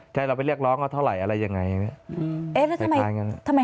ใช่เราไปเรียกร้องเขาเท่าไหร่อะไรยังไงอย่างเงี้ยเอ๊ะแล้วทำไม